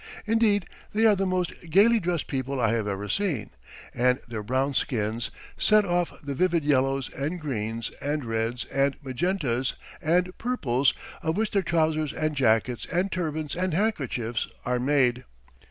Indeed, they are the most gaily dressed people I have ever seen, and their brown skins set off the vivid yellows and greens and reds and magentas and purples of which their trousers and jackets and turbans and handkerchiefs are made.